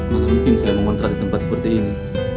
mana mungkin saya mau kontrak di tempat seperti ini